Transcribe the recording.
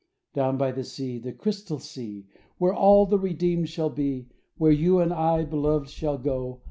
Down by the sea, the crystal sea — Where all of the redeemed shall be; Where you and I, beloved, shall go.